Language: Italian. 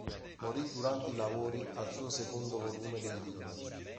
Morì durante i lavori al suo secondo volume degli indici.